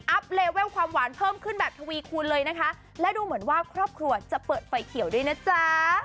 เลเวลความหวานเพิ่มขึ้นแบบทวีคูณเลยนะคะและดูเหมือนว่าครอบครัวจะเปิดไฟเขียวด้วยนะจ๊ะ